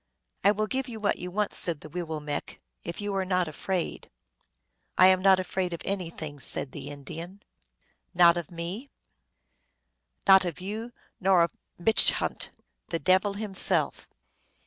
" I will give you what you want," said the Wee willmekq ," if you are not afraid." " I am not afraid of anything," said the Indian. " Not of me ?"" Not of you nor of Mitche hant, the devil himself."